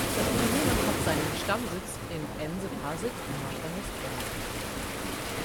Das Unternehmen hat seinen Stammsitz in Ense-Parsit in Nordrhein-Westfalen.